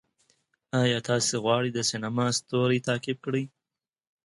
آیا تاسې غواړئ د سینما ستوری تعقیب کړئ؟